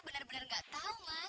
gak apa apa banget kak nun